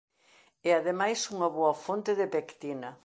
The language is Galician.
É ademais unha boa fonte de pectina.